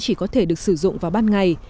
chỉ có thể được sử dụng vào ban ngày